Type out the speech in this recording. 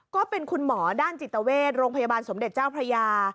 ก็เป็นคุณหมอด้านจิตเวชโรงพยาบาลสมเด็จเจ้าพระยา